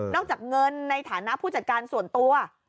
จากเงินในฐานะผู้จัดการส่วนตัว